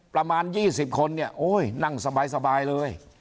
ประมาณยี่สิบคนนิยหนังสบายเลย